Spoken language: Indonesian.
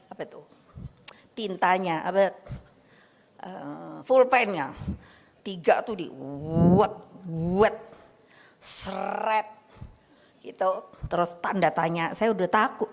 apa tuh pintanya abet fullpennya tiga tuh di what what seret itu terus tanda tanya saya udah takut